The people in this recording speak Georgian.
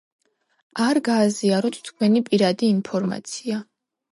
არ გააზიაროთ თქვენი პირადი იფორმაცია.